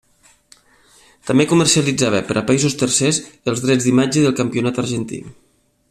També comercialitzava, per a països tercers, els drets d'imatge del campionat argentí.